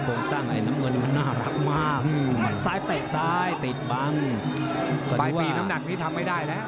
ปลายตีน้ำหนักนี้ทำไม่ได้ละ